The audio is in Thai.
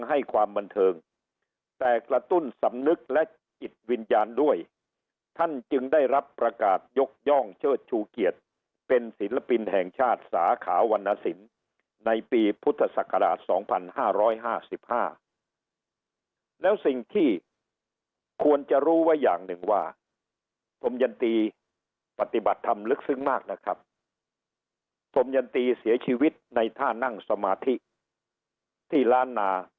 ให้ความบันเทิงแต่กระตุ้นสำนึกและจิตวิญญาณด้วยท่านจึงได้รับประกาศยกย่องเชิดชูเกียรติเป็นศิลปินแห่งชาติสาขาวรรณสินในปีพุทธศักราช๒๕๕๕แล้วสิ่งที่ควรจะรู้ไว้อย่างหนึ่งว่าพรมยันตีปฏิบัติธรรมลึกซึ้งมากนะครับพรมยันตีเสียชีวิตในท่านั่งสมาธิที่ล้านนา